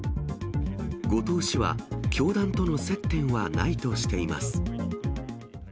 後藤氏は、教団との接点はないとしています。